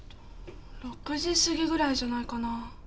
６時すぎぐらいじゃないかな。